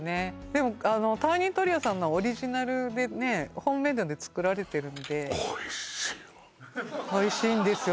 でもあのタイニートリアさんのはオリジナルでねホームメイドで作られてるんでおいしいんですよ